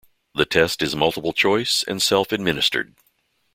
The test is multiple choice and self-administered.